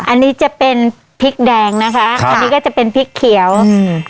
อันนี้จะเป็นพริกแดงนะคะอันนี้ก็จะเป็นพริกเขียวอืม